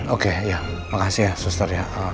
oke ya makasih ya suster ya